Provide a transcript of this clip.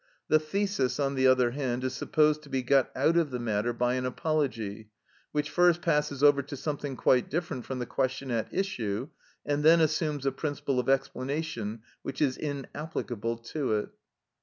The thesis, on the other hand, is supposed to be got out of the matter by an apology, which first passes over to something quite different from the question at issue, and then assumes a principle of explanation which is inapplicable to it.